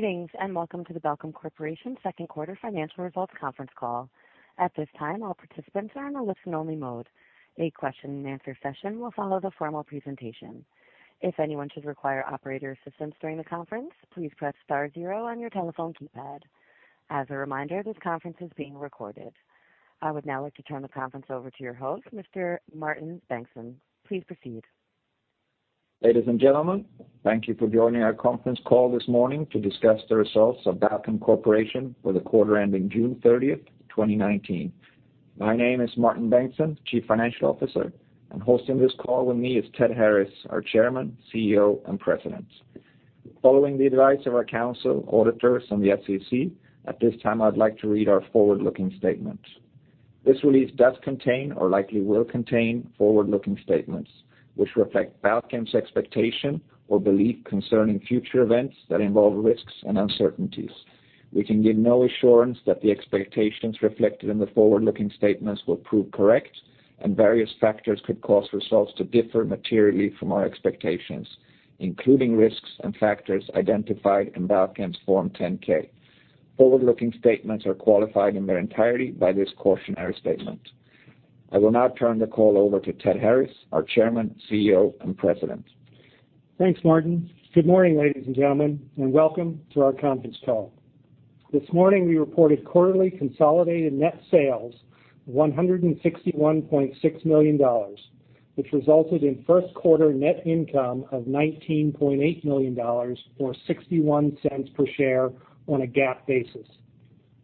Greetings, and welcome to the Balchem Corporation second quarter financial results conference call. At this time, all participants are in a listen-only mode. A question and answer session will follow the formal presentation. If anyone should require operator assistance during the conference, please press star zero on your telephone keypad. As a reminder, this conference is being recorded. I would now like to turn the conference over to your host, Mr. Martin Bengtsson. Please proceed. Ladies and gentlemen, thank you for joining our conference call this morning to discuss the results of Balchem Corporation for the quarter ending June 30th, 2019. My name is Martin Bengtsson, Chief Financial Officer, and hosting this call with me is Ted Harris, our Chairman, CEO, and President. Following the advice of our counsel, auditors, and the SEC, at this time, I'd like to read our forward-looking statement. This release does contain or likely will contain forward-looking statements, which reflect Balchem's expectation or belief concerning future events that involve risks and uncertainties. We can give no assurance that the expectations reflected in the forward-looking statements will prove correct, and various factors could cause results to differ materially from our expectations, including risks and factors identified in Balchem's Form 10-K. Forward-looking statements are qualified in their entirety by this cautionary statement. I will now turn the call over to Ted Harris, our Chairman, CEO, and President. Thanks, Martin. Good morning, ladies and gentlemen, and welcome to our conference call. This morning, we reported quarterly consolidated net sales of $161.6 million, which resulted in first quarter net income of $19.8 million, or $0.61 per share on a GAAP basis.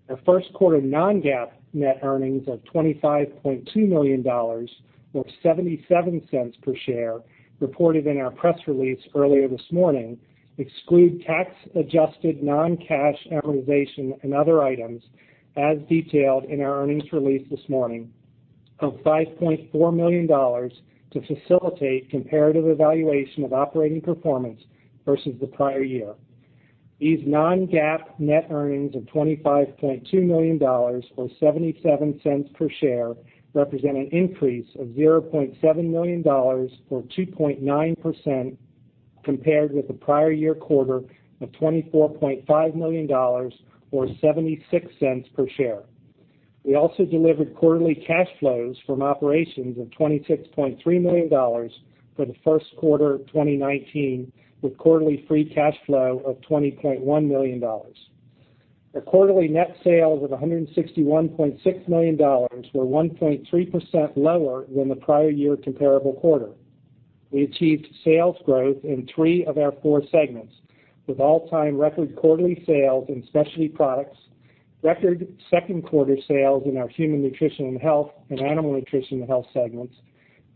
Our first quarter non-GAAP net earnings of $25.2 million, or $0.77 per share, reported in our press release earlier this morning exclude tax-adjusted non-cash amortization and other items as detailed in our earnings release this morning of $5.4 million to facilitate comparative evaluation of operating performance versus the prior year. These non-GAAP net earnings of $25.2 million or $0.77 per share represent an increase of $0.7 million or 2.9% compared with the prior year quarter of $24.5 million or $0.76 per share. We also delivered quarterly cash flows from operations of $26.3 million for the first quarter of 2019, with quarterly free cash flow of $20.1 million. Our quarterly net sales of $161.6 million were 1.3% lower than the prior year comparable quarter. We achieved sales growth in three of our four segments, with all-time record quarterly sales in Specialty Products, record second quarter sales in our Human Nutrition and Health and Animal Nutrition and Health segments,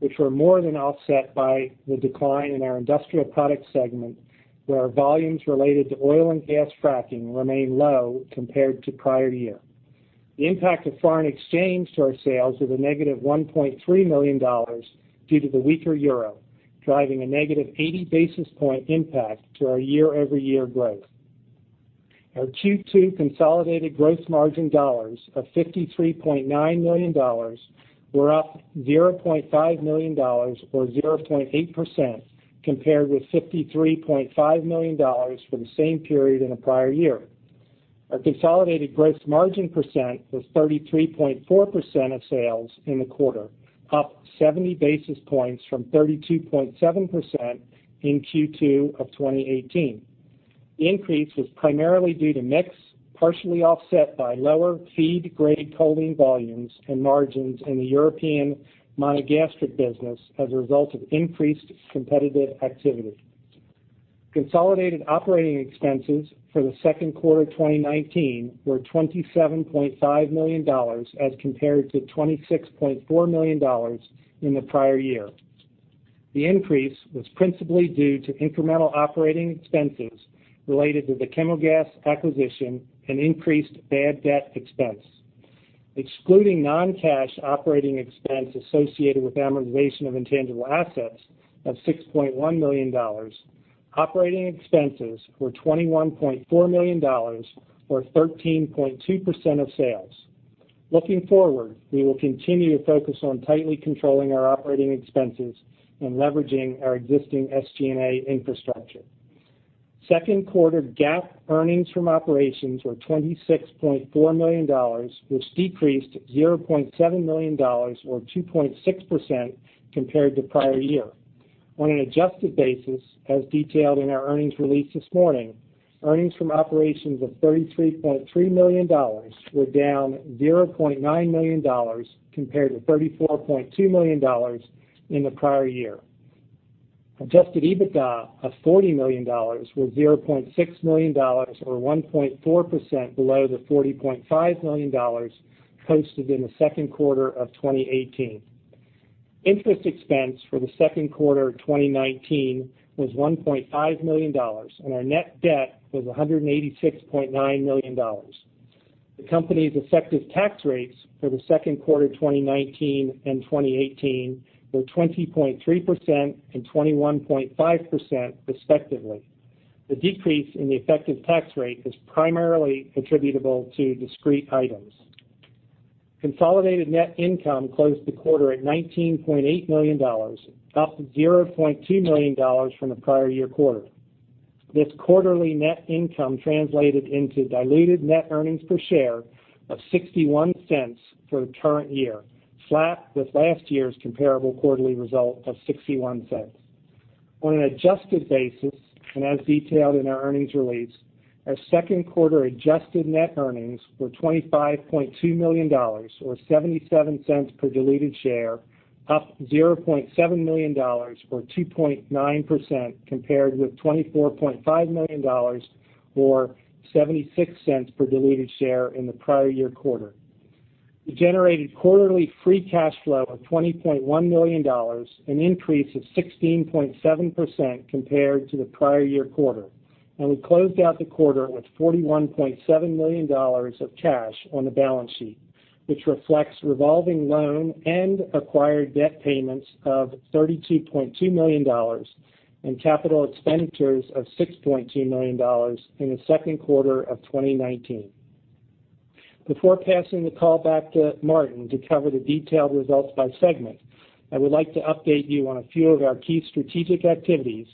which were more than offset by the decline in our Industrial Products segment, where our volumes related to oil and gas fracking remain low compared to prior year. The impact of foreign exchange to our sales was a negative $1.3 million due to the weaker euro, driving a negative 80 basis point impact to our year-over-year growth. Our Q2 consolidated gross margin dollars of $53.9 million were up $0.5 million or 0.8% compared with $53.5 million for the same period in the prior year. Our consolidated gross margin percent was 33.4% of sales in the quarter, up 70 basis points from 32.7% in Q2 of 2018. The increase was primarily due to mix, partially offset by lower feed-grade choline volumes and margins in the European monogastric business as a result of increased competitive activity. Consolidated operating expenses for the second quarter 2019 were $27.5 million as compared to $26.4 million in the prior year. The increase was principally due to incremental operating expenses related to the Chemogas acquisition and increased bad debt expense. Excluding non-cash operating expense associated with amortization of intangible assets of $6.1 million, operating expenses were $21.4 million or 13.2% of sales. Looking forward, we will continue to focus on tightly controlling our operating expenses and leveraging our existing SG&A infrastructure. Second quarter GAAP earnings from operations were $26.4 million, which decreased $0.7 million or 2.6% compared to prior year. On an adjusted basis, as detailed in our earnings release this morning, earnings from operations of $33.3 million were down $0.9 million compared to $34.2 million in the prior year. Adjusted EBITDA of $40 million was $0.6 million or 1.4% below the $40.5 million posted in the second quarter of 2018. Interest expense for the second quarter of 2019 was $1.5 million, and our net debt was $186.9 million. The company's effective tax rates for the second quarter 2019 and 2018 were 20.3% and 21.5% respectively. The decrease in the effective tax rate is primarily attributable to discrete items. Consolidated net income closed the quarter at $19.8 million, up from $0.2 million from the prior year quarter. This quarterly net income translated into diluted net earnings per share of $0.61 for the current year, flat with last year's comparable quarterly result of $0.61. On an adjusted basis, and as detailed in our earnings release, our second quarter adjusted net earnings were $25.2 million, or $0.77 per diluted share, up $0.7 million, or 2.9% compared with $24.5 million, or $0.76 per diluted share in the prior year quarter. We generated quarterly free cash flow of $20.1 million, an increase of 16.7% compared to the prior year quarter, and we closed out the quarter with $41.7 million of cash on the balance sheet, which reflects revolving loan and acquired debt payments of $32.2 million, and capital expenditures of $6.2 million in the second quarter of 2019. Before passing the call back to Martin to cover the detailed results by segment, I would like to update you on a few of our key strategic activities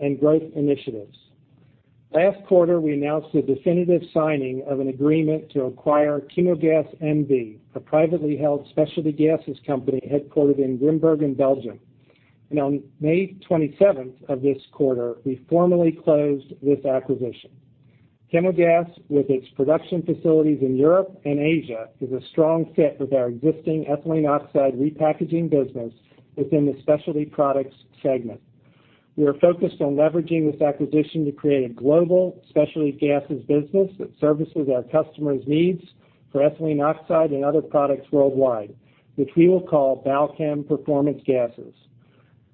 and growth initiatives. Last quarter, we announced the definitive signing of an agreement to acquire Chemogas NV, a privately held specialty gases company headquartered in Grimbergen, Belgium. On May 27th of this quarter, we formally closed this acquisition. Chemogas, with its production facilities in Europe and Asia, is a strong fit with our existing ethylene oxide repackaging business within the Secialty Products segment. We are focused on leveraging this acquisition to create a global specialty gases business that services our customers' needs for ethylene oxide and other products worldwide, which we will call Balchem Performance Gases.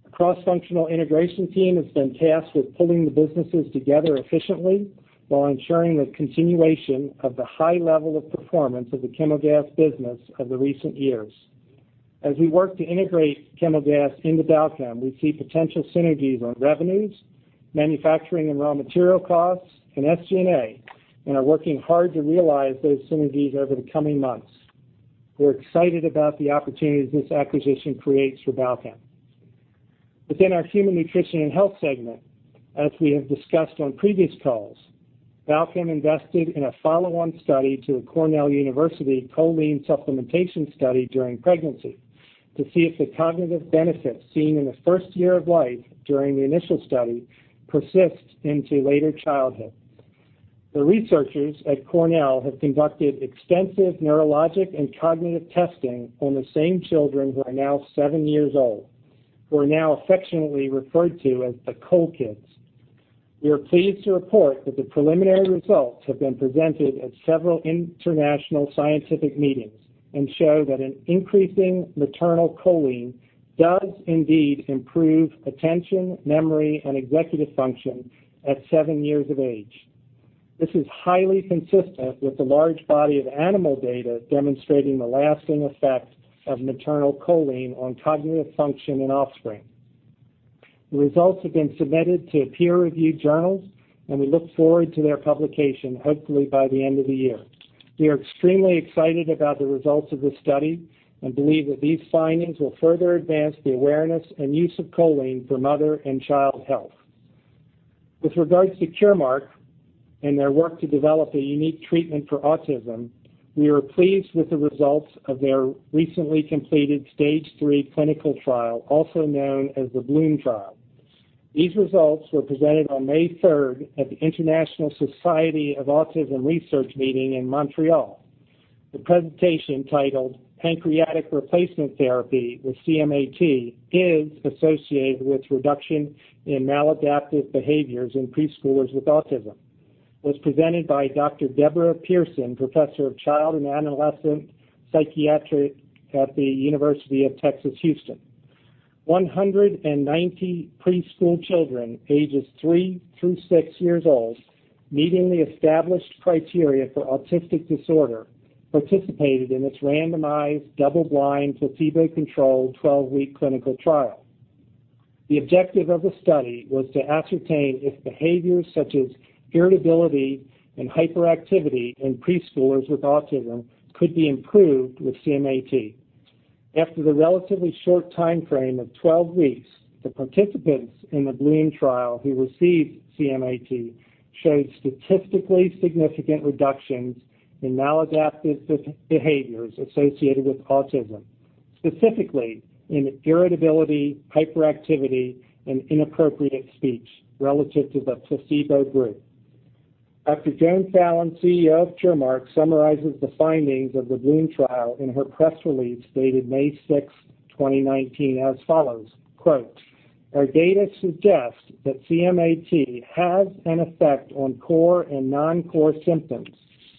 A cross-functional integration team has been tasked with pulling the businesses together efficiently while ensuring the continuation of the high level of performance of the Chemogas business of the recent years. As we work to integrate Chemogas into Balchem, we see potential synergies on revenues, manufacturing, and raw material costs, and SG&A, and are working hard to realize those synergies over the coming months. We're excited about the opportunities this acquisition creates for Balchem. Within our human nutrition and health segment, as we have discussed on previous calls, Balchem invested in a follow-on study to a Cornell University choline supplementation study during pregnancy to see if the cognitive benefits seen in the first year of life during the initial study persist into later childhood. The researchers at Cornell have conducted extensive neurologic and cognitive testing on the same children who are now seven years old, who are now affectionately referred to as the Cho-Kids. We are pleased to report that the preliminary results have been presented at several international scientific meetings and show that an increasing maternal choline does indeed improve attention, memory, and executive function at seven years of age. This is highly consistent with the large body of animal data demonstrating the lasting effect of maternal choline on cognitive function in offspring. The results have been submitted to peer-reviewed journals. We look forward to their publication, hopefully by the end of the year. We are extremely excited about the results of this study and believe that these findings will further advance the awareness and use of choline for mother and child health. With regards to CureMark and their work to develop a unique treatment for autism, we are pleased with the results of their recently completed phase III clinical trial, also known as the Bloom Trial. These results were presented on May 3rd at the International Society for Autism Research meeting in Montreal. The presentation, titled "Pancreatic Replacement Therapy with CM-AT is Associated with Reduction in Maladaptive Behaviors in Preschoolers with Autism," was presented by Dr. Deborah Pearson, Professor of Child and Adolescent Psychiatry at the University of Texas Health Science Center at Houston. 190 preschool children, ages 3 through 6 years old, meeting the established criteria for autistic disorder, participated in this randomized, double-blind, placebo-controlled 12-week clinical trial. The objective of the study was to ascertain if behaviors such as irritability and hyperactivity in preschoolers with autism could be improved with CM-AT. After the relatively short timeframe of 12 weeks, the participants in the Bloom Trial who received CM-AT showed statistically significant reductions in maladaptive behaviors associated with autism, specifically in irritability, hyperactivity, and inappropriate speech relative to the placebo group. Dr. Joan Fallon, CEO of CureMark, summarizes the findings of the Bloom Trial in her press release dated May 6, 2019, as follows, quote, "Our data suggest that CM-AT has an effect on core and non-core symptoms,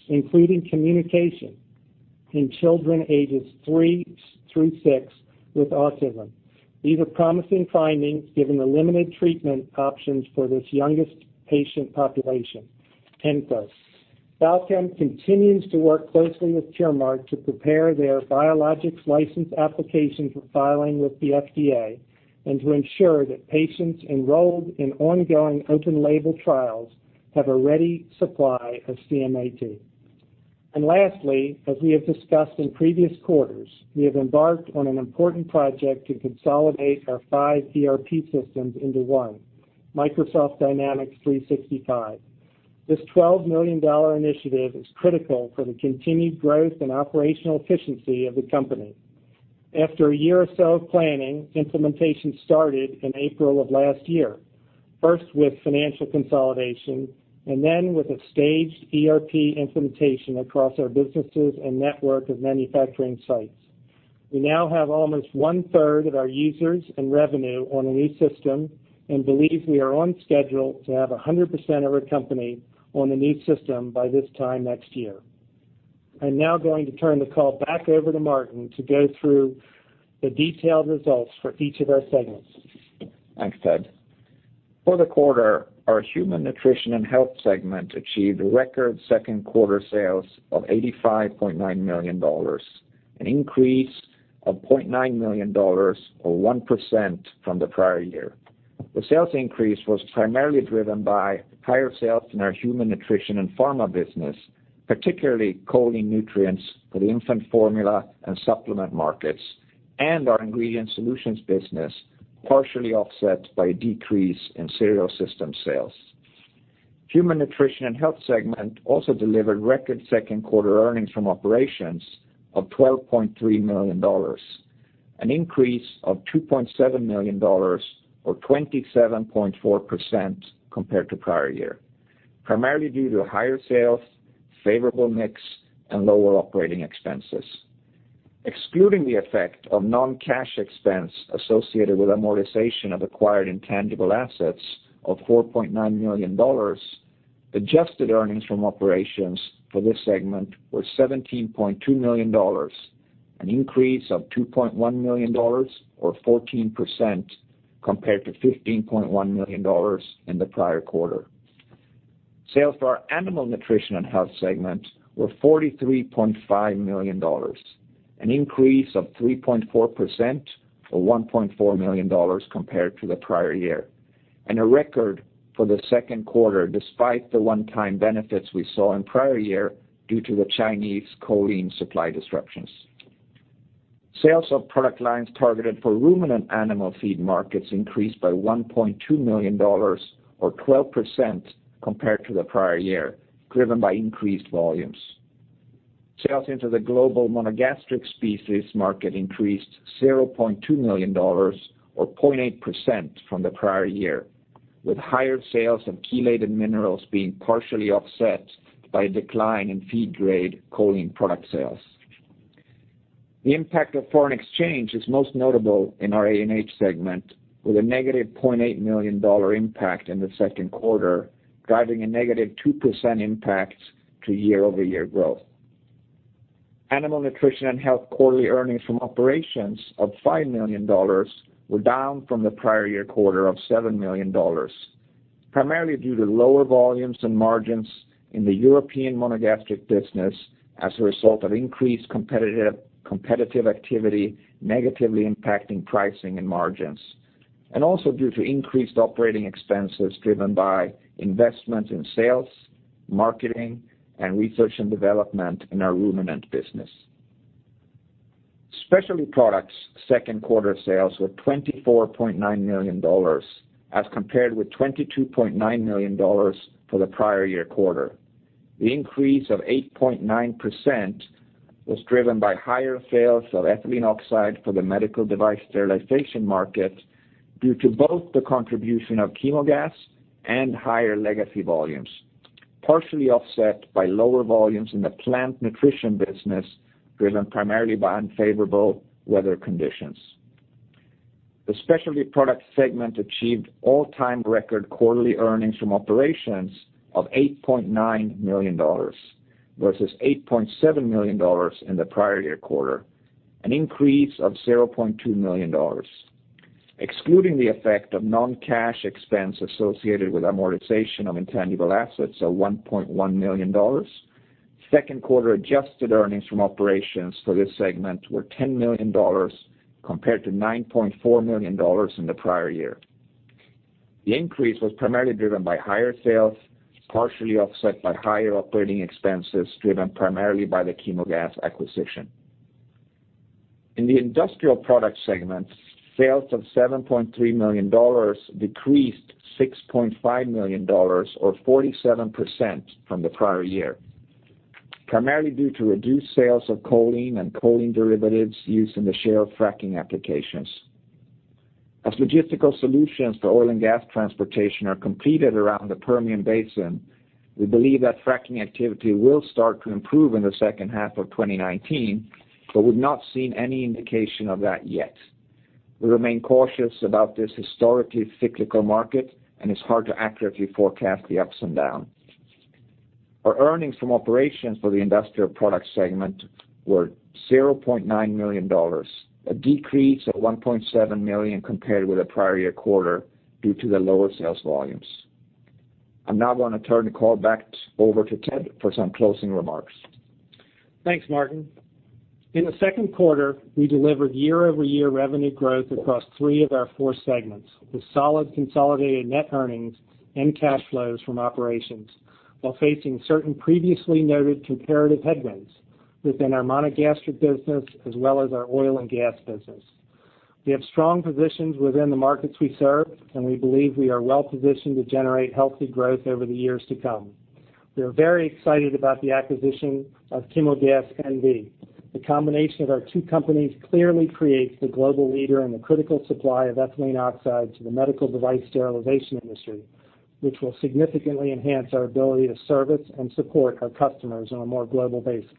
including communication in children ages 3 through 6 with autism. These are promising findings given the limited treatment options for this youngest patient population." End quote. Balchem continues to work closely with CureMark to prepare their Biologics License Application for filing with the FDA and to ensure that patients enrolled in ongoing open-label trials have a ready supply of CM-AT. Lastly, as we have discussed in previous quarters, we have embarked on an important project to consolidate our five ERP systems into one, Microsoft Dynamics 365. This $12 million initiative is critical for the continued growth and operational efficiency of the company. After a year or so of planning, implementation started in April of last year, first with financial consolidation, then with a staged ERP implementation across our businesses and network of manufacturing sites. We now have almost 1/3 of our users and revenue on the new system and believe we are on schedule to have 100% of our company on the new system by this time next year. I'm now going to turn the call back over to Martin to go through the detailed results for each of our segments. Thanks, Ted. For the quarter, our Human Nutrition and Health segment achieved record second-quarter sales of $85.9 million, an increase of $0.9 million, or 1% from the prior year. The sales increase was primarily driven by higher sales in our human nutrition and pharma business, particularly choline nutrients for the infant formula and supplement markets, and our ingredient solutions business, partially offset by a decrease in Cereal Systems sales. Human Nutrition and Health segment also delivered record second quarter earnings from operations of $12.3 million, an increase of $2.7 million or 27.4% compared to prior year, primarily due to higher sales, favorable mix, and lower operating expenses. Excluding the effect of non-cash expense associated with amortization of acquired intangible assets of $4.9 million, adjusted earnings from operations for this segment were $17.2 million, an increase of $2.1 million or 14% compared to $15.1 million in the prior quarter. Sales for our Animal Nutrition and Health segment were $43.5 million, an increase of 3.4% or $1.4 million compared to the prior year, and a record for the second quarter despite the one-time benefits we saw in prior year due to the Chinese choline supply disruptions. Sales of product lines targeted for ruminant animal feed markets increased by $1.2 million or 12% compared to the prior year, driven by increased volumes. Sales into the global monogastric species market increased $0.2 million or 0.8% from the prior year, with higher sales and chelated minerals being partially offset by a decline in feed-grade choline product sales. The impact of foreign exchange is most notable in our ANH segment with a negative $0.8 million impact in the second quarter, driving a negative 2% impact to year-over-year growth. Animal Nutrition and Health quarterly earnings from operations of $5 million were down from the prior year quarter of $7 million, primarily due to lower volumes and margins in the European monogastric business as a result of increased competitive activity negatively impacting pricing and margins. Also due to increased operating expenses driven by investments in sales, marketing, and research and development in our ruminant business. Specialty Products' second quarter sales were $24.9 million as compared with $22.9 million for the prior year quarter. The increase of 8.9% was driven by higher sales of ethylene oxide for the medical device sterilization market due to both the contribution of Chemogas and higher legacy volumes, partially offset by lower volumes in the plant nutrition business driven primarily by unfavorable weather conditions. The Specialty Products segment achieved all-time record quarterly earnings from operations of $8.9 million versus $8.7 million in the prior year quarter, an increase of $0.2 million. Excluding the effect of non-cash expense associated with amortization of intangible assets of $1.1 million, second quarter adjusted earnings from operations for this segment were $10 million compared to $9.4 million in the prior year. The increase was primarily driven by higher sales, partially offset by higher operating expenses driven primarily by the Chemogas acquisition. In the Industrial Products segment, sales of $7.3 million decreased $6.5 million or 47% from the prior year, primarily due to reduced sales of choline and choline derivatives used in the shale fracking applications. As logistical solutions for oil and gas transportation are completed around the Permian Basin, we believe that fracking activity will start to improve in the second half of 2019, but we've not seen any indication of that yet. We remain cautious about this historically cyclical market, and it's hard to accurately forecast the ups and downs. Our earnings from operations for the Industrial Products segment were $0.9 million, a decrease of $1.7 million compared with the prior year quarter due to the lower sales volumes. I'm now going to turn the call back over to Ted for some closing remarks. Thanks, Martin. In the second quarter, we delivered year-over-year revenue growth across three of our four segments, with solid consolidated net earnings and cash flows from operations while facing certain previously noted comparative headwinds within our monogastric business as well as our oil and gas business. We have strong positions within the markets we serve, and we believe we are well-positioned to generate healthy growth over the years to come. We are very excited about the acquisition of Chemogas NV. The combination of our two companies clearly creates the global leader in the critical supply of ethylene oxide to the medical device sterilization industry, which will significantly enhance our ability to service and support our customers on a more global basis.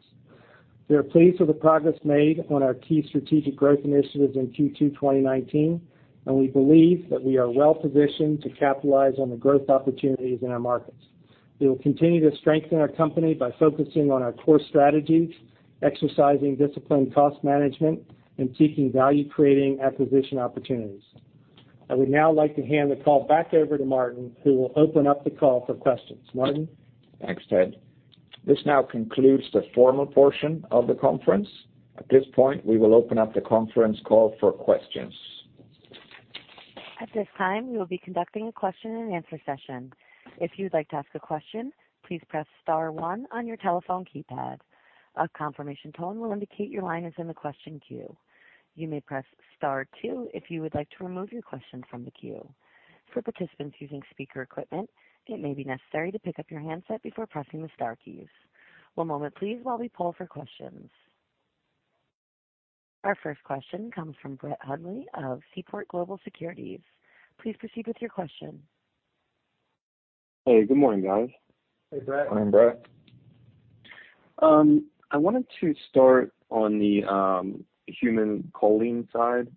We are pleased with the progress made on our key strategic growth initiatives in Q2 2019, and we believe that we are well-positioned to capitalize on the growth opportunities in our markets. We will continue to strengthen our company by focusing on our core strategies, exercising disciplined cost management, and seeking value-creating acquisition opportunities. I would now like to hand the call back over to Martin, who will open up the call for questions. Martin? Thanks, Ted. This now concludes the formal portion of the conference. At this point, we will open up the conference call for questions. At this time, we will be conducting a question and answer session. If you'd like to ask a question, please press *1 on your telephone keypad. A confirmation tone will indicate your line is in the question queue. You may press *2 if you would like to remove your question from the queue. For participants using speaker equipment, it may be necessary to pick up your handset before pressing the star keys. One moment please, while we poll for questions. Our first question comes from Brett Hundley of Seaport Global Securities. Please proceed with your question. Hey, good morning, guys. Hey, Brett. Morning, Brett. I wanted to start on the human choline side.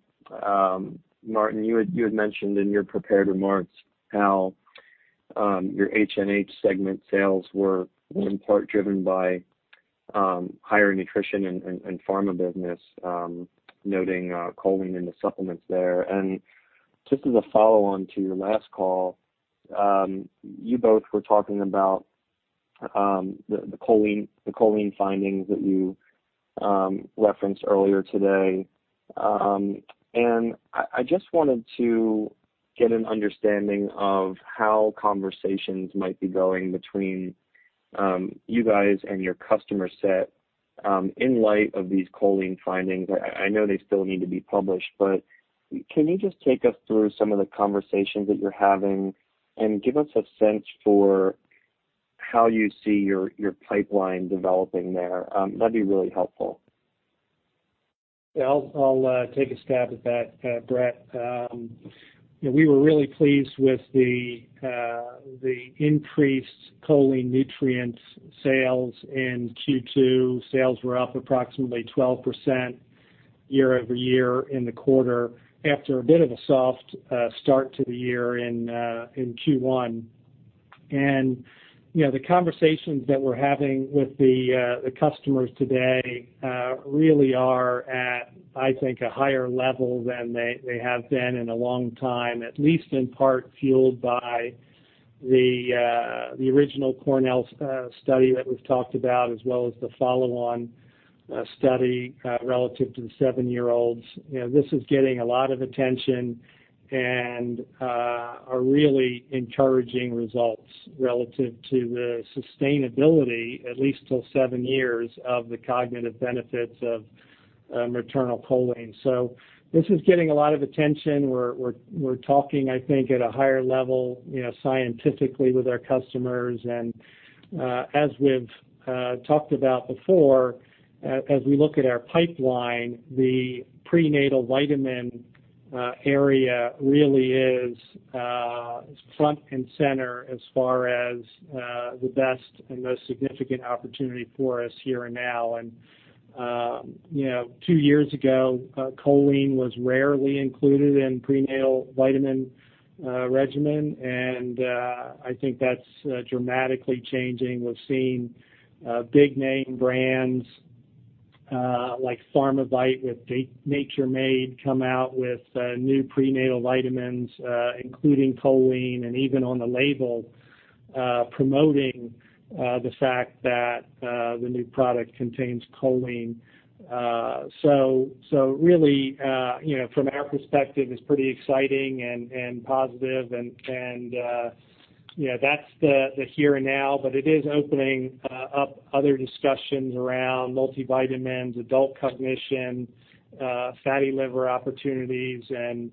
Martin, you had mentioned in your prepared remarks how your H&H segment sales were in part driven by higher nutrition and pharma business, noting choline and the supplements there. Just as a follow-on to your last call, you both were talking about the choline findings that you referenced earlier today. I just wanted to get an understanding of how conversations might be going between you guys and your customer set in light of these choline findings. I know they still need to be published, but can you just take us through some of the conversations that you're having and give us a sense for how you see your pipeline developing there? That'd be really helpful. Yeah, I'll take a stab at that, Brett. We were really pleased with the increased choline nutrients sales in Q2. Sales were up approximately 12% year-over-year in the quarter after a bit of a soft start to the year in Q1. The conversations that we're having with the customers today really are at, I think, a higher level than they have been in a long time, at least in part fueled by the original Cornell study that we've talked about, as well as the follow-on study relative to the seven-year-olds. This is getting a lot of attention and are really encouraging results relative to the sustainability, at least till seven years, of the cognitive benefits of maternal choline. This is getting a lot of attention. We're talking, I think, at a higher level scientifically with our customers. As we've talked about before, as we look at our pipeline, the prenatal vitamin area really is front and center as far as the best and most significant opportunity for us here and now. Two years ago, choline was rarely included in prenatal vitamin regimen, and I think that's dramatically changing. We're seeing big name brands like Pharmavite with Nature Made come out with new prenatal vitamins including choline, and even on the label promoting the fact that the new product contains choline. Really, from our perspective, it's pretty exciting and positive. That's the here and now, but it is opening up other discussions around multivitamins, adult cognition, fatty liver opportunities, and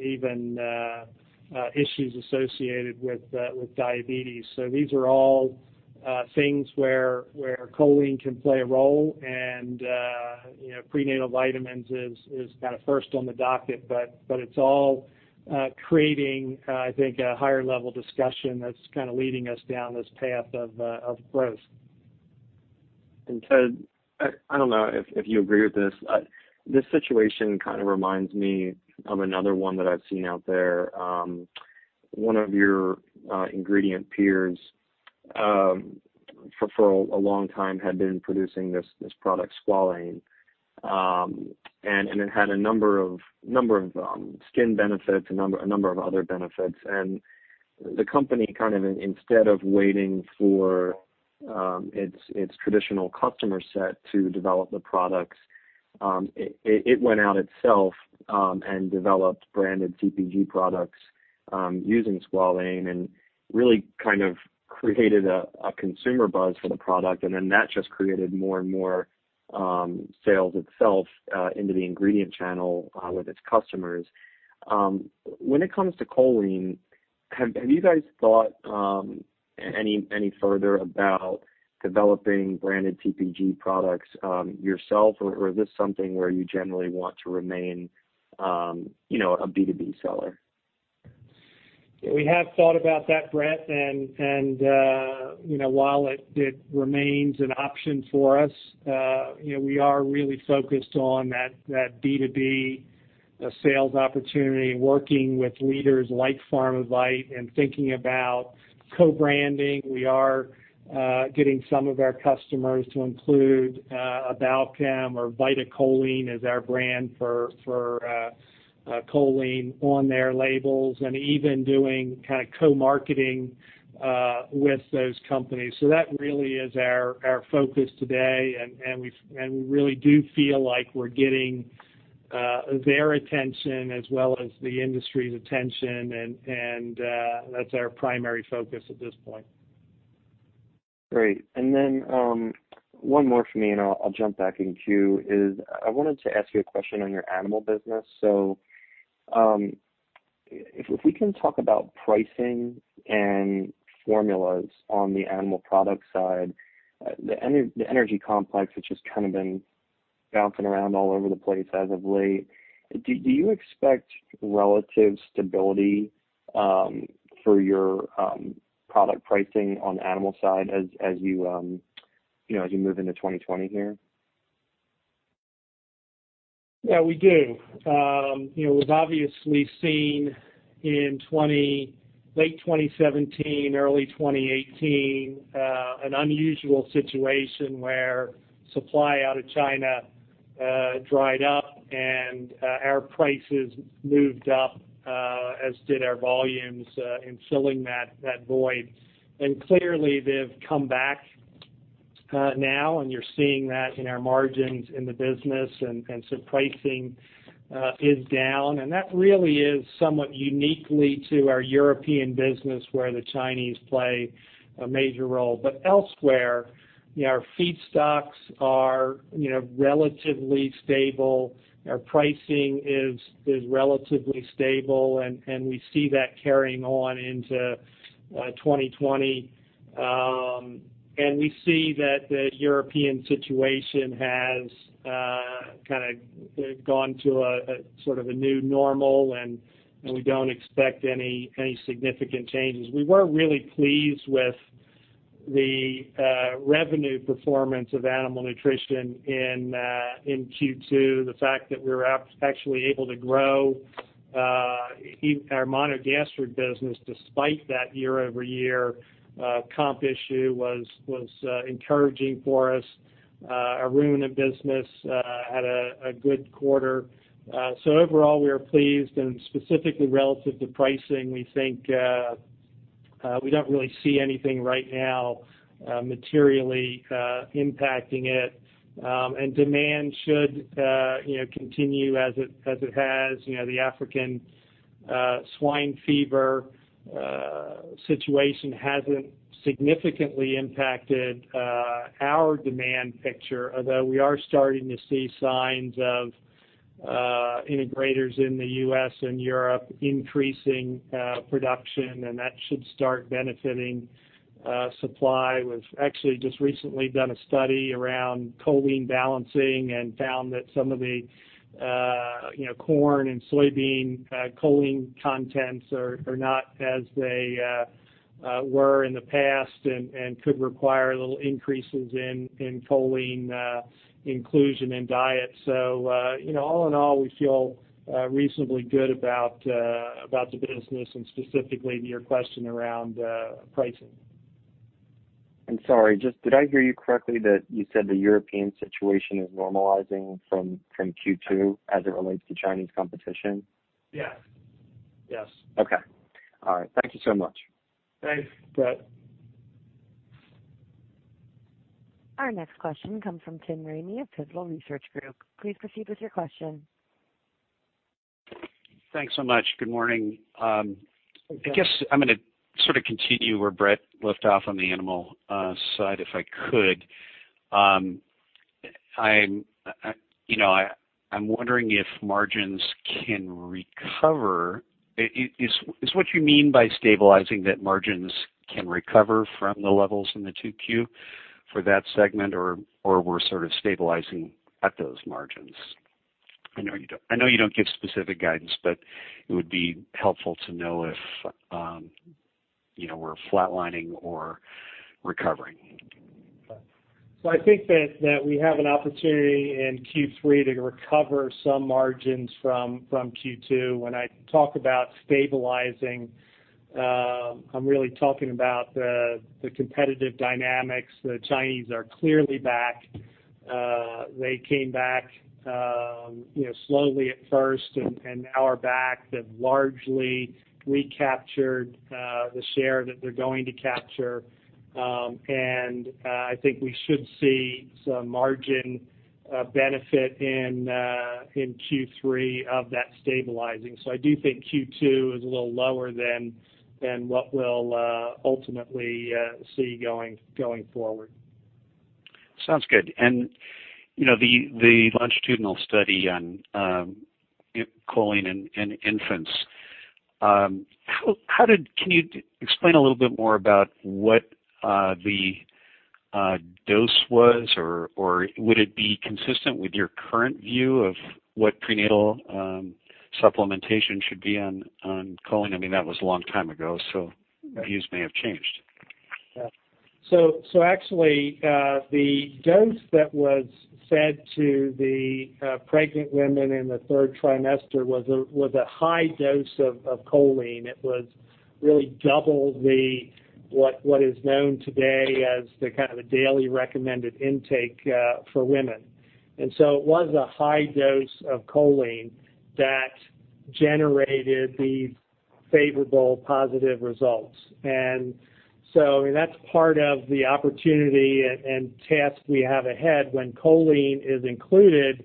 even issues associated with diabetes. These are all things where choline can play a role, and prenatal vitamins is first on the docket. It's all creating, I think, a higher level discussion that's leading us down this path of growth. Ted, I don't know if you agree with this. This situation kind of reminds me of another one that I've seen out there. One of your ingredient peers, for a long time, had been producing this product, squalane. And it had a number of skin benefits, a number of other benefits. The company, instead of waiting for its traditional customer set to develop the products, it went out itself and developed branded CPG products using squalane and really created a consumer buzz for the product. That just created more and more sales itself into the ingredient channel with its customers. When it comes to choline, have you guys thought any further about developing branded CPG products yourself, or is this something where you generally want to remain a B2B seller? We have thought about that, Brett, while it remains an option for us, we are really focused on that B2B sales opportunity, working with leaders like Pharmavite and thinking about co-branding. We are getting some of our customers to include Balchem or VitaCholine as our brand for choline on their labels, even doing co-marketing with those companies. That really is our focus today, we really do feel like we're getting their attention as well as the industry's attention, that's our primary focus at this point. Great. One more from me, and I'll jump back in queue, is I wanted to ask you a question on your animal business. If we can talk about pricing and formulas on the animal product side, the energy complex, which has kind of been bouncing around all over the place as of late, do you expect relative stability for your product pricing on the animal side as you move into 2020 here? Yeah, we do. We've obviously seen in late 2017, early 2018, an unusual situation where supply out of China dried up and our prices moved up, as did our volumes in filling that void. Clearly, they've come back now, and you're seeing that in our margins in the business. Pricing is down, and that really is somewhat unique to our European business, where the Chinese play a major role. Elsewhere, our feedstocks are relatively stable, our pricing is relatively stable, and we see that carrying on into 2020. We see that the European situation has kind of gone to a sort of a new normal, and we don't expect any significant changes. We were really pleased with the revenue performance of animal nutrition in Q2. The fact that we were actually able to grow our monogastric business despite that year-over-year comp issue was encouraging for us. Our ruminant business had a good quarter. Overall, we are pleased, and specifically relative to pricing, we think we don't really see anything right now materially impacting it. Demand should continue as it has. The African swine fever situation hasn't significantly impacted our demand picture, although we are starting to see signs of integrators in the U.S. and Europe increasing production, and that should start benefiting supply. We've actually just recently done a study around choline balancing and found that some of the corn and soybean choline contents are not as they were in the past and could require little increases in choline inclusion in diet. All in all, we feel reasonably good about the business and specifically your question around pricing. Sorry, just did I hear you correctly that you said the European situation is normalizing from Q2 as it relates to Chinese competition? Yes. Okay. All right. Thank you so much. Thanks, Brett. Our next question comes from Tim Ramey of Pivotal Research Group. Please proceed with your question. Thanks so much. Good morning. Good morning. I guess I'm going to sort of continue where Brett left off on the animal side, if I could. I'm wondering if margins can recover. Is what you mean by stabilizing that margins can recover from the levels in the 2Q for that segment, or we're sort of stabilizing at those margins? I know you don't give specific guidance, it would be helpful to know if we're flatlining or recovering. I think that we have an opportunity in Q3 to recover some margins from Q2. When I talk about stabilizing, I'm really talking about the competitive dynamics. The Chinese are clearly back. They came back slowly at first and now are back. They've largely recaptured the share that they're going to capture. I think we should see some margin benefit in Q3 of that stabilizing. I do think Q2 is a little lower than what we'll ultimately see going forward. Sounds good. The longitudinal study on choline in infants, can you explain a little bit more about what the dose was, or would it be consistent with your current view of what prenatal supplementation should be on choline? I mean, that was a long time ago, views may have changed. Actually, the dose that was fed to the pregnant women in the third trimester was a high dose of choline. It was really double what is known today as the daily recommended intake for women. It was a high dose of choline that generated these favorable positive results. That's part of the opportunity and task we have ahead. When choline is included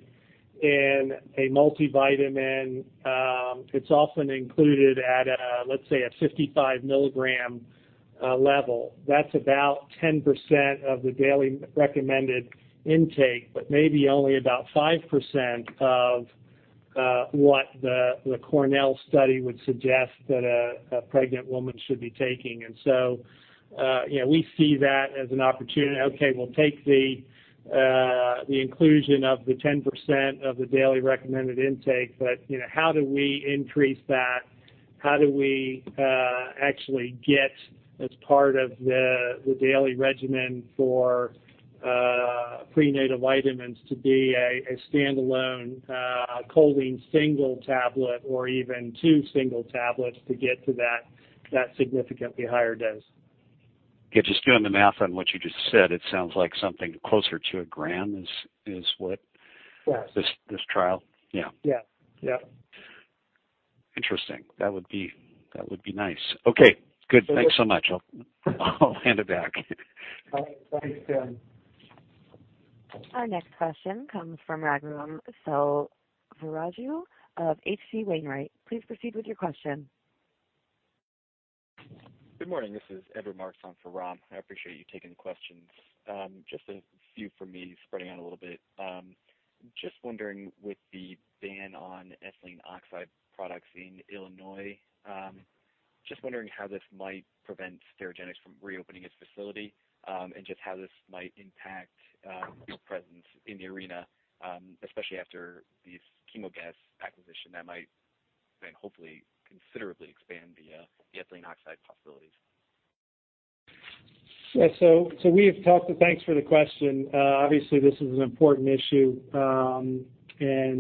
in a multivitamin, it's often included at, let's say, a 55 milligram level. That's about 10% of the daily recommended intake, but maybe only about 5% of what the Cornell study would suggest that a pregnant woman should be taking. We see that as an opportunity. Okay, we'll take the inclusion of the 10% of the daily recommended intake, but how do we increase that? How do we actually get as part of the daily regimen for prenatal vitamins to be a standalone choline single tablet, or even two single tablets to get to that significantly higher dose? Yeah, just doing the math on what you just said, it sounds like something closer to a gram is what- Yes this trial? Yeah. Yeah. Interesting. That would be nice. Okay, good. Thanks so much. I'll hand it back. Thanks, Tim. Our next question comes from Raghuram Selvaraju of H.C. Wainwright. Please proceed with your question. Good morning. This is Edward Marks on for Ram. I appreciate you taking the questions. Just a few from me spreading out a little bit. Just wondering with the ban on ethylene oxide products in Illinois, how this might prevent Sterigenics from reopening its facility, and just how this might impact your presence in the arena, especially after the Chemogas acquisition that might then hopefully considerably expand the ethylene oxide possibilities. Thanks for the question. Obviously, this is an important issue, and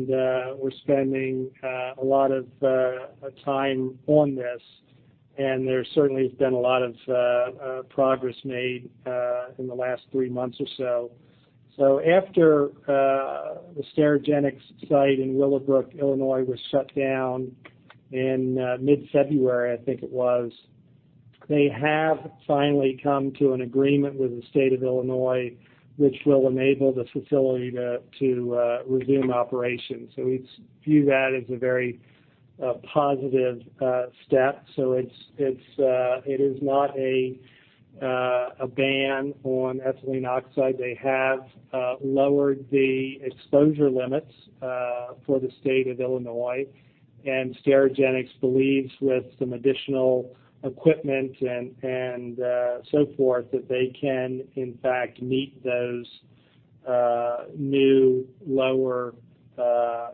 we're spending a lot of time on this, and there certainly has been a lot of progress made in the last three months or so. After the Sterigenics site in Willowbrook, Illinois, was shut down in mid-February, I think it was, they have finally come to an agreement with the State of Illinois, which will enable the facility to resume operations. We view that as a very positive step. It is not a ban on ethylene oxide. They have lowered the exposure limits for the State of Illinois, and Sterigenics believes with some additional equipment and so forth, that they can in fact meet those new lower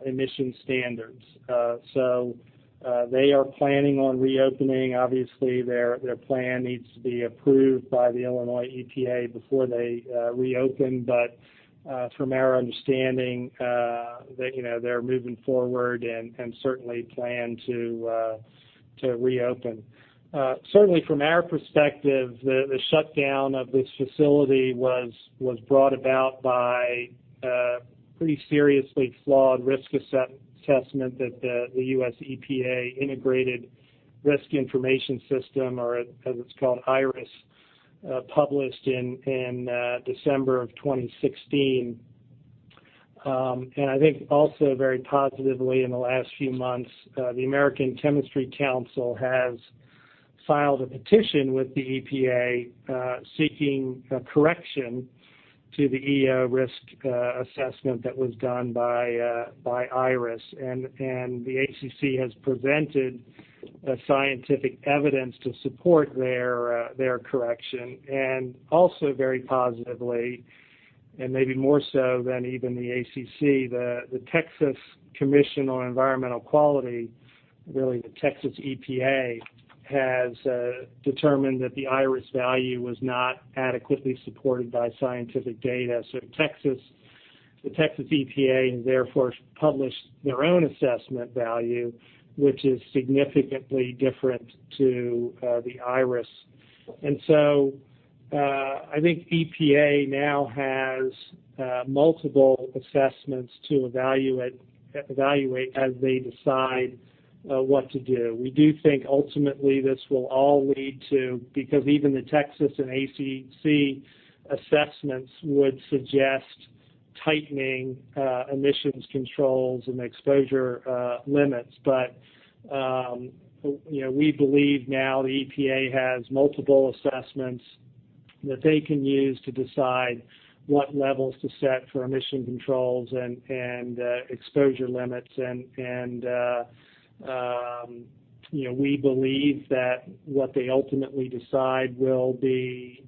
emission standards. They are planning on reopening. Obviously, their plan needs to be approved by the Illinois EPA before they reopen. From our understanding, they're moving forward and certainly plan to reopen. Certainly, from our perspective, the shutdown of this facility was brought about by a pretty seriously flawed risk assessment that the U.S. EPA Integrated Risk Information System, or as it's called, IRIS, published in December of 2016. I think also very positively in the last few months, the American Chemistry Council has filed a petition with the EPA, seeking a correction to the EO risk assessment that was done by IRIS. The ACC has presented scientific evidence to support their correction, and also very positively, and maybe more so than even the ACC, the Texas Commission on Environmental Quality, really the Texas EPA, has determined that the IRIS value was not adequately supported by scientific data. The Texas EPA therefore published their own assessment value, which is significantly different to the IRIS. I think EPA now has multiple assessments to evaluate as they decide what to do. We do think ultimately this will all lead to, because even the Texas and ACC assessments would suggest tightening emissions controls and exposure limits. We believe now the EPA has multiple assessments that they can use to decide what levels to set for emission controls and exposure limits. We believe that what they ultimately decide will be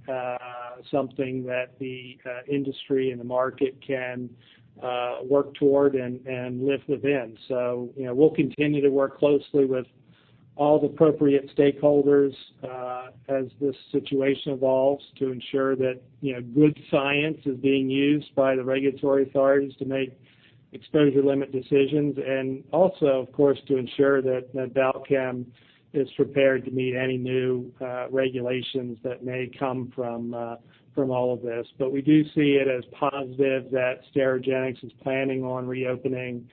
something that the industry and the market can work toward and live within. We'll continue to work closely with all the appropriate stakeholders as this situation evolves to ensure that good science is being used by the regulatory authorities to make exposure limit decisions, and also, of course, to ensure that Balchem is prepared to meet any new regulations that may come from all of this. We do see it as positive that Sterigenics is planning on reopening,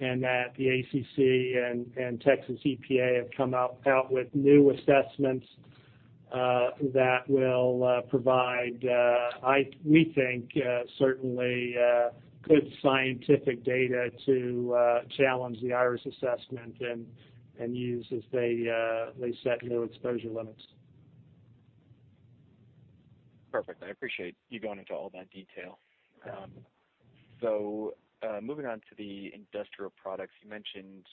and that the ACC and Texas EPA have come out with new assessments that will provide, we think, certainly good scientific data to challenge the IRIS assessment and use as they set new exposure limits. Perfect. I appreciate you going into all that detail. Yeah. Moving on to the industrial products, you mentioned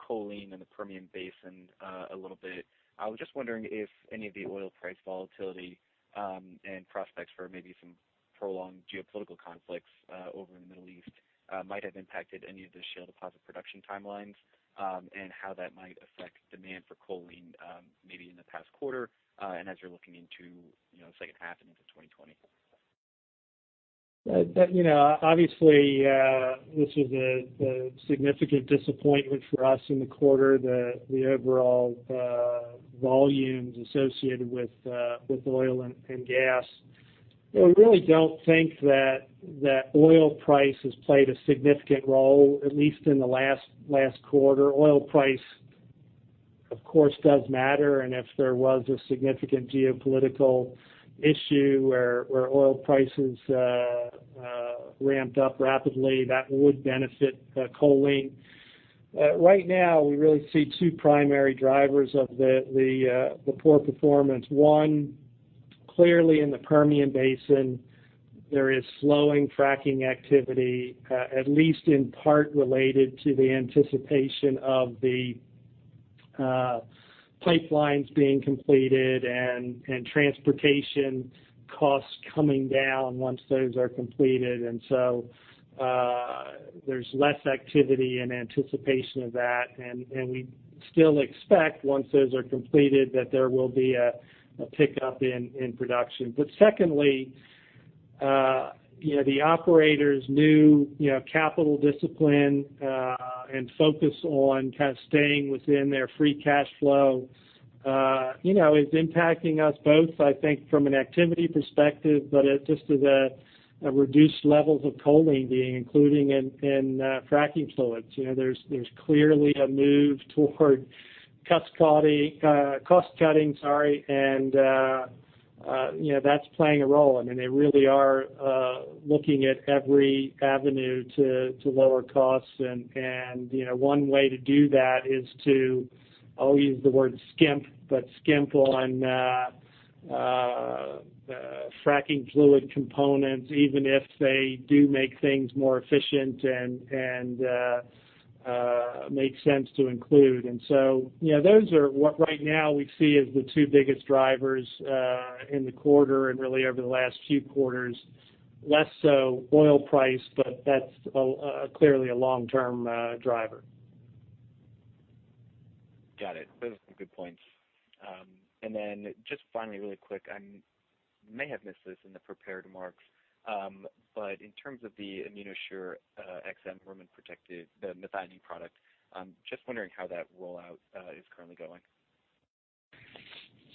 choline and the Permian Basin a little bit. I was just wondering if any of the oil price volatility, and prospects for maybe some prolonged geopolitical conflicts over in the Middle East, might have impacted any of the shale deposit production timelines, and how that might affect demand for choline, maybe in the past quarter, and as you're looking into the second half into 2020? Obviously, this was a significant disappointment for us in the quarter, the overall volumes associated with oil and gas. We really don't think that oil price has played a significant role, at least in the last quarter. Oil price, of course, does matter, and if there was a significant geopolitical issue where oil prices ramped up rapidly, that would benefit choline. Right now, we really see two primary drivers of the poor performance. One, clearly in the Permian Basin, there is slowing fracking activity, at least in part related to the anticipation of the pipelines being completed and transportation costs coming down once those are completed. There's less activity in anticipation of that. We still expect, once those are completed, that there will be a pickup in production. Secondly, the operators' new capital discipline, and focus on kind of staying within their free cash flow, is impacting us both, I think, from an activity perspective, but just as a reduced level of choline being included in fracking fluids. There's clearly a move toward cost cutting, and that's playing a role. They really are looking at every avenue to lower costs, and one way to do that is to, I'll use the word skimp, but skimp on fracking fluid components, even if they do make things more efficient and make sense to include. Those are what right now we see as the two biggest drivers in the quarter and really over the last few quarters. Less so oil price, but that's clearly a long-term driver. Got it. Those are good points. Just finally, really quick, I may have missed this in the prepared remarks, but in terms of the AminoShure-XM rumen protective, the methionine product, I'm just wondering how that rollout is currently going.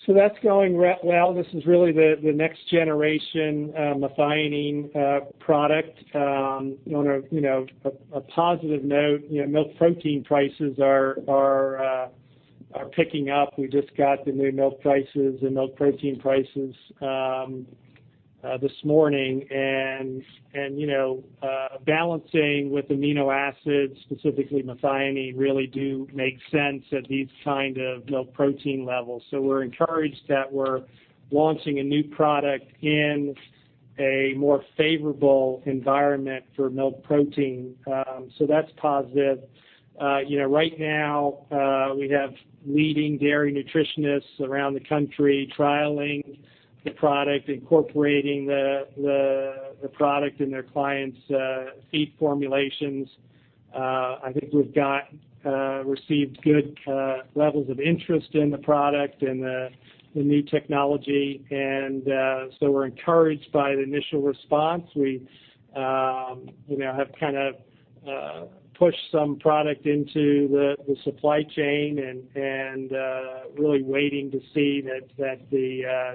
That's going well. This is really the next generation methionine product. On a positive note, milk protein prices are picking up. We just got the new milk prices and milk protein prices this morning. Balancing with amino acids, specifically methionine, really do make sense at these kind of milk protein levels. We're encouraged that we're launching a new product in a more favorable environment for milk protein. That's positive. Right now, we have leading dairy nutritionists around the country trialing the product, incorporating the product in their clients' feed formulations. I think we've received good levels of interest in the product and the new technology. We're encouraged by the initial response. We have kind of pushed some product into the supply chain and really waiting to see that the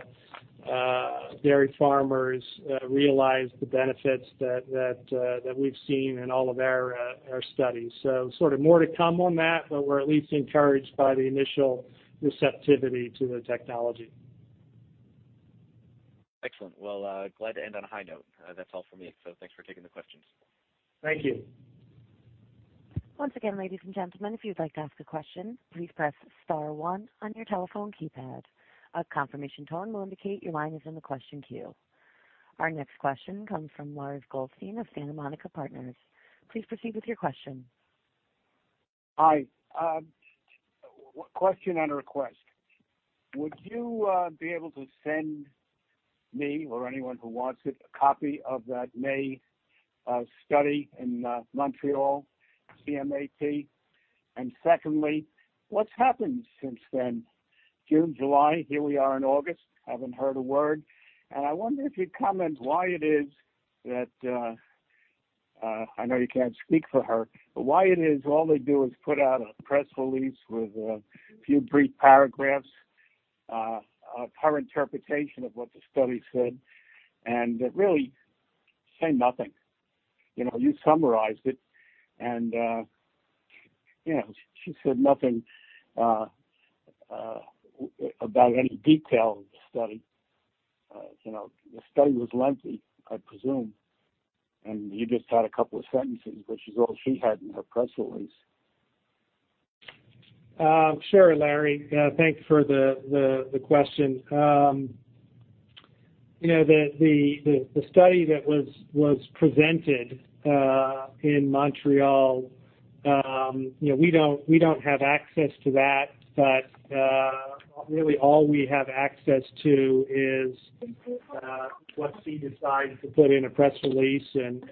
dairy farmers realize the benefits that we've seen in all of our studies. Sort of more to come on that, but we're at least encouraged by the initial receptivity to the technology. Excellent. Well, glad to end on a high note. That's all from me. Thanks for taking the questions. Thank you. Once again, ladies and gentlemen, if you'd like to ask a question, please press star one on your telephone keypad. A confirmation tone will indicate your line is in the question queue. Our next question comes from Lars Goldstein of Santa Monica Partners. Please proceed with your question. Hi. Question and a request. Would you be able to send me, or anyone who wants it, a copy of that May study in Montreal, CM-AT? Secondly, what's happened since then? June, July, here we are in August, haven't heard a word. I wonder if you'd comment why it is that, I know you can't speak for her, but why it is all they do is put out a press release with a few brief paragraphs, her interpretation of what the study said, and it really said nothing. You summarized it, and she said nothing about any detail of the study. The study was lengthy, I presume, and you just had a couple of sentences, which is all she had in her press release. Sure, Larry. Thanks for the question. The study that was presented in Montreal, we don't have access to that. Really all we have access to is what she decides to put in a press release, and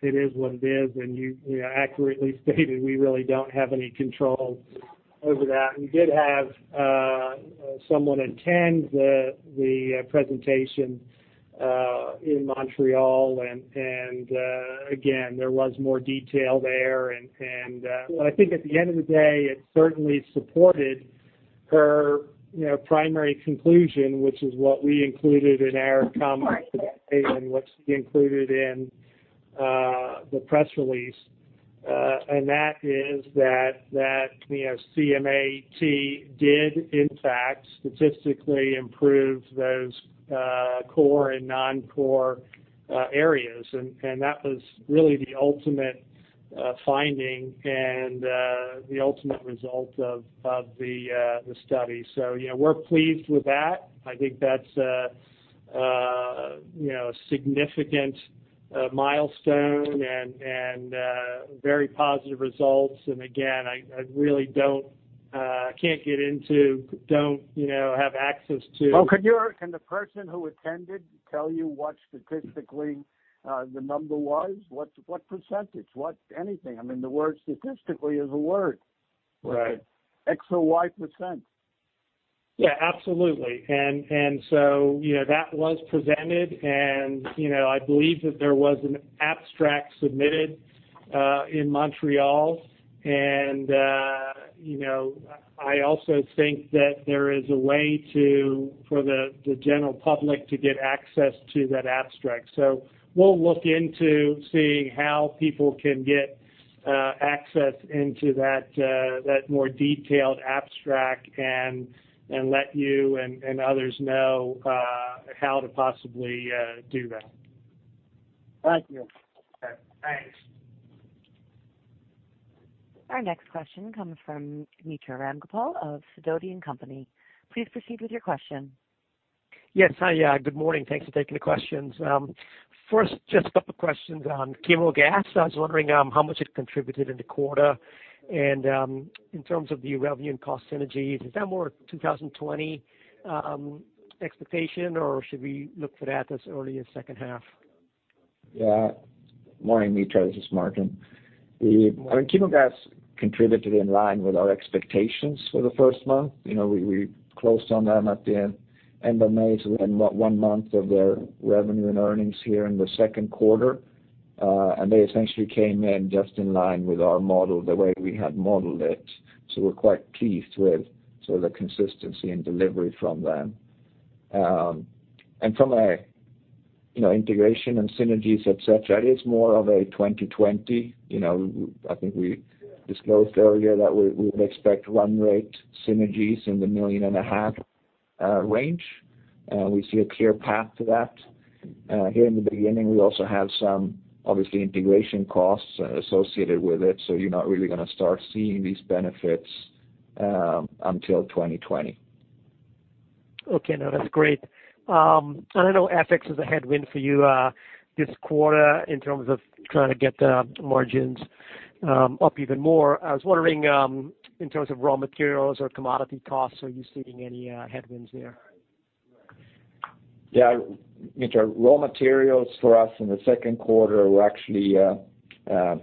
it is what it is, and you accurately stated we really don't have any control over that. We did have someone attend the presentation in Montreal, and again, there was more detail there. I think at the end of the day, it certainly supported her primary conclusion, which is what we included in our comments today and what she included in the press release. That is that CM-AT did in fact statistically improve those core and non-core areas, and that was really the ultimate finding and the ultimate result of the study. We're pleased with that. I think that's a significant milestone and very positive results. Again, I really don't have access to. Well, can the person who attended tell you what statistically the number was? What percentage? What anything? I mean, the word statistically is a word. Right. X or Y%. Yeah, absolutely. That was presented, and I believe that there was an abstract submitted in Montreal. I also think that there is a way for the general public to get access to that abstract. We'll look into seeing how people can get access into that more detailed abstract and let you and others know how to possibly do that. Thank you. Okay. Thanks. Our next question comes from Mitra Ramgopal of Sidoti & Company. Please proceed with your question. Yes. Hi, good morning. Thanks for taking the questions. First, just a couple questions on Chemogas. I was wondering how much it contributed in the quarter, and in terms of the revenue and cost synergies, is that more 2020 expectation, or should we look for that as early as second half? Yeah. Morning, Mitra, this is Martin. Morning. Chemogas contributed in line with our expectations for the first month. We closed on them at the end of May, we had one month of their revenue and earnings here in the second quarter. They essentially came in just in line with our model, the way we had modeled it. We're quite pleased with the consistency and delivery from them. From a integration and synergies, et cetera, it is more of a 2020. I think we disclosed earlier that we would expect run rate synergies in the million and a half range. We see a clear path to that. Here in the beginning, we also have some, obviously, integration costs associated with it. You're not really going to start seeing these benefits until 2020. Okay. No, that's great. I know FX is a headwind for you this quarter in terms of trying to get the margins up even more. I was wondering, in terms of raw materials or commodity costs, are you seeing any headwinds there? Yeah. Mitra, raw materials for us in the second quarter were actually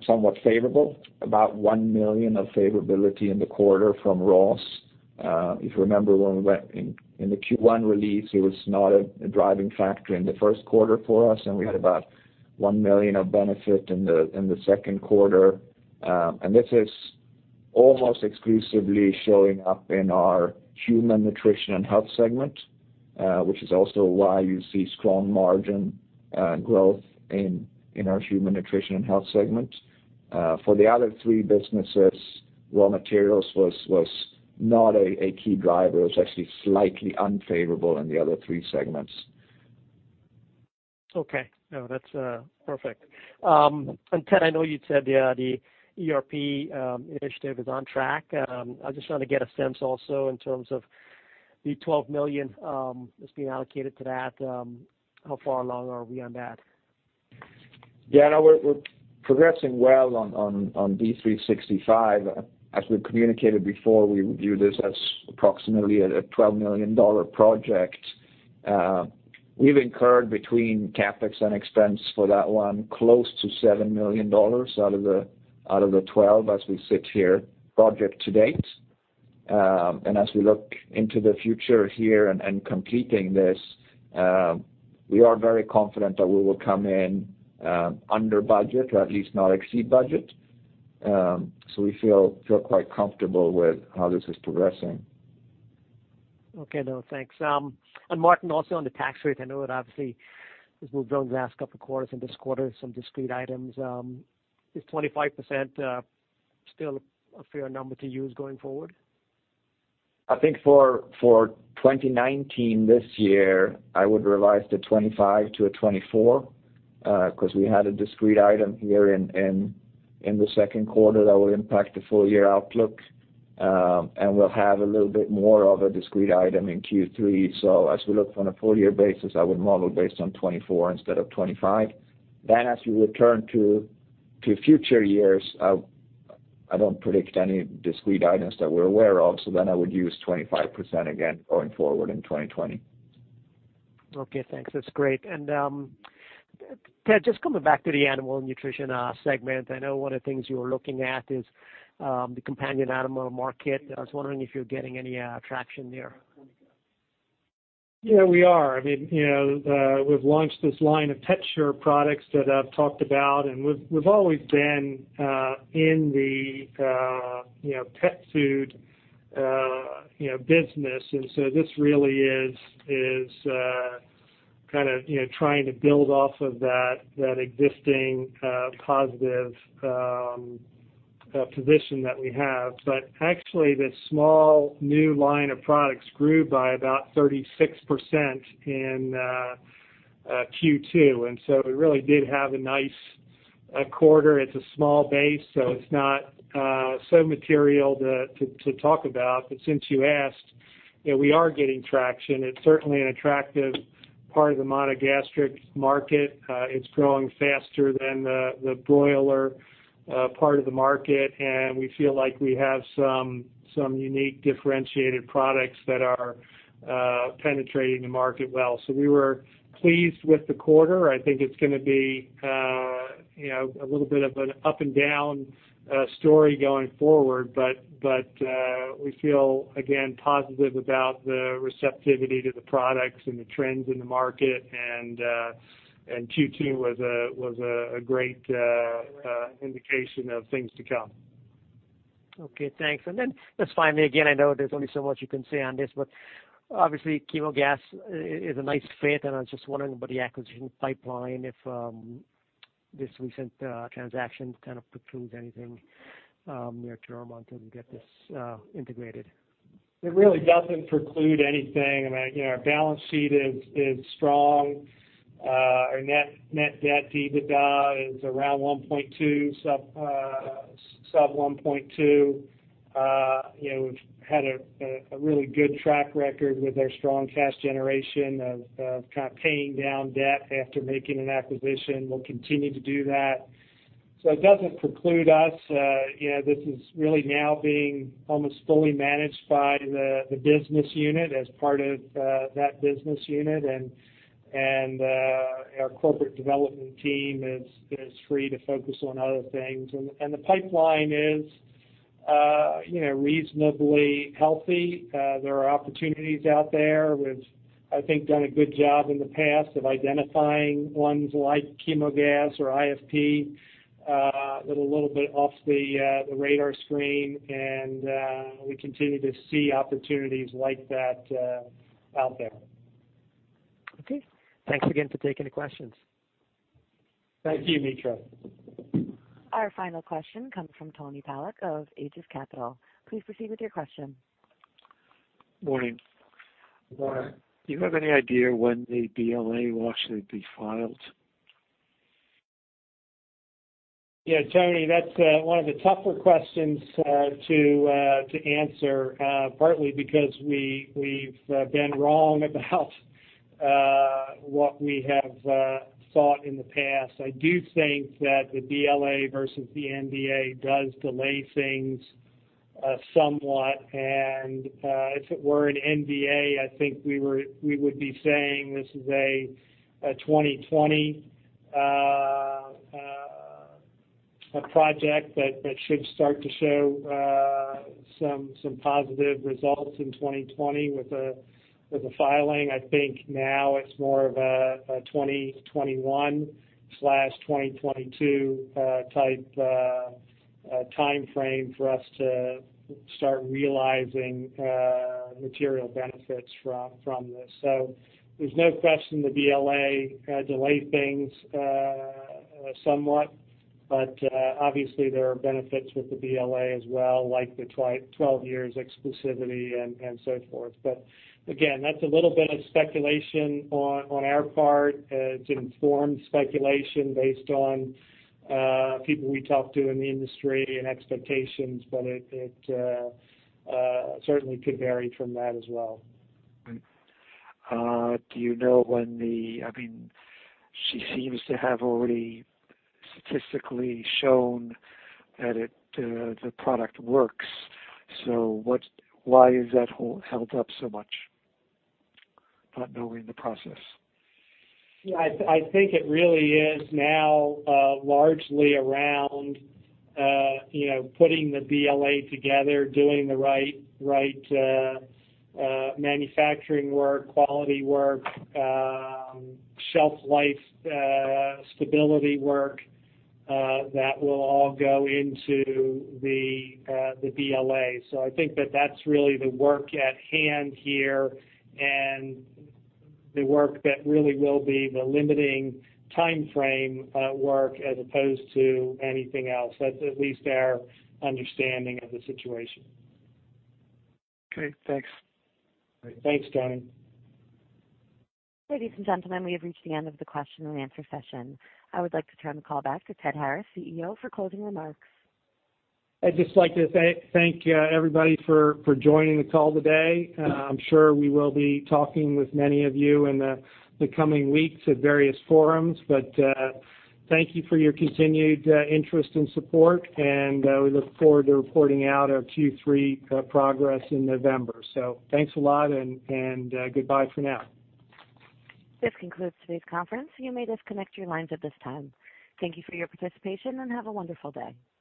somewhat favorable. About $1 million of favorability in the quarter from raws. If you remember when we went in the Q1 release, it was not a driving factor in the first quarter for us, and we had about $1 million of benefit in the second quarter. This is almost exclusively showing up in our Human Nutrition and Health segment, which is also why you see strong margin growth in our Human Nutrition and Health segment. For the other three businesses, raw materials was not a key driver. It was actually slightly unfavorable in the other three segments. Okay. No, that's perfect. Ted, I know you said the ERP initiative is on track. I was just trying to get a sense also in terms of the $12 million that's being allocated to that. How far along are we on that? Yeah, no, we're progressing well on D-365. As we've communicated before, we view this as approximately a $12 million project. We've incurred between CapEx and expense for that one, close to $7 million out of the 12 as we sit here, budget to date. As we look into the future here and completing this, we are very confident that we will come in under budget or at least not exceed budget. We feel quite comfortable with how this is progressing. Okay. No, thanks. Martin, also on the tax rate, I know it obviously has moved around the last couple of quarters and this quarter, some discrete items. Is 25% still a fair number to use going forward? I think for 2019, this year, I would revise the 25 to a 24, because we had a discrete item here in the second quarter that will impact the full-year outlook. We'll have a little bit more of a discrete item in Q3. As we look on a full-year basis, I would model based on 24 instead of 25. As we return to future years, I don't predict any discrete items that we're aware of. I would use 25% again going forward in 2020. Okay, thanks. That's great. Ted, just coming back to the animal nutrition segment, I know one of the things you were looking at is the companion animal market. I was wondering if you're getting any traction there? Yeah, we are. We've launched this line of PetShure products that I've talked about. We've always been in the pet food business. This really is trying to build off of that existing positive position that we have. Actually, the small new line of products grew by about 36% in Q2, and so it really did have a nice quarter. It's a small base, so it's not so material to talk about. Since you asked, we are getting traction. It's certainly an attractive part of the monogastric market. It's growing faster than the broiler part of the market, and we feel like we have some unique differentiated products that are penetrating the market well. We were pleased with the quarter. I think it's going to be a little bit of an up and down story going forward. We feel, again, positive about the receptivity to the products and the trends in the market. Q2 was a great indication of things to come. Okay, thanks. Then just finally, again, I know there's only so much you can say on this, but obviously, Chemogas is a nice fit, and I was just wondering about the acquisition pipeline, if this recent transaction kind of precludes anything near-term until we get this integrated. It really doesn't preclude anything. Our balance sheet is strong. Our net debt to EBITDA is around 1.2, sub 1.2. We've had a really good track record with our strong cash generation of kind of paying down debt after making an acquisition. We'll continue to do that. It doesn't preclude us. This is really now being almost fully managed by the business unit as part of that business unit. Our corporate development team is free to focus on other things. The pipeline is reasonably healthy. There are opportunities out there. We've, I think, done a good job in the past of identifying ones like Chemogas or IFP that are a little bit off the radar screen, and we continue to see opportunities like that out there. Okay. Thanks again for taking the questions. Thank you, Mitra. Our final question comes from Tony Polak of Aegis Capital. Please proceed with your question. Morning. Good morning. Do you have any idea when the BLA will actually be filed? Yeah, Tony, that's one of the tougher questions to answer partly because we've been wrong about what we have thought in the past. I do think that the BLA versus the NDA does delay things somewhat. If it were an NDA, I think we would be saying this is a 2020A project that should start to show some positive results in 2020 with a filing. I think now it's more of a 2021/2022 type timeframe for us to start realizing material benefits from this. There's no question the BLA delayed things somewhat. Obviously, there are benefits with the BLA as well, like the 12 years exclusivity and so forth. Again, that's a little bit of speculation on our part. It's informed speculation based on people we talk to in the industry and expectations, but it certainly could vary from that as well. Do you know when she seems to have already statistically shown that the product works. Why is that held up so much? Not knowing the process. Yeah, I think it really is now largely around putting the BLA together, doing the right manufacturing work, quality work, shelf life stability work, that will all go into the BLA. I think that that's really the work at hand here and the work that really will be the limiting timeframe work as opposed to anything else. That's at least our understanding of the situation. Okay, thanks. Thanks, Tony. Ladies and gentlemen, we have reached the end of the question and answer session. I would like to turn the call back to Ted Harris, CEO, for closing remarks. I'd just like to thank everybody for joining the call today. I'm sure we will be talking with many of you in the coming weeks at various forums. Thank you for your continued interest and support, and we look forward to reporting out our Q3 progress in November. Thanks a lot, and goodbye for now. This concludes today's conference. You may disconnect your lines at this time. Thank you for your participation, and have a wonderful day.